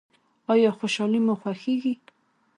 ایا خوشحالي مو خوښیږي؟